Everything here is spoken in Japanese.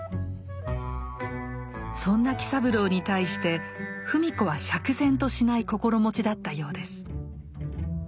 そんな喜三郎に対して芙美子は釈然としない心持ちだったようです。